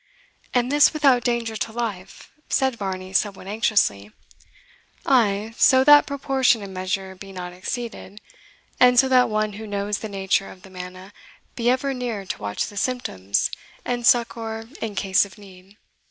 "And this without danger to life?" said Varney, somewhat anxiously. "Ay, so that proportion and measure be not exceeded; and so that one who knows the nature of the manna be ever near to watch the symptoms, and succour in case of need."